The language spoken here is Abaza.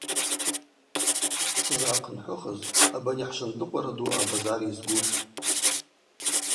Сызгӏахъынхӏвыхыз абани хӏшвындыкъвара ду абазар йызгуштӏ.